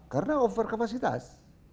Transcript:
karena over kapasitas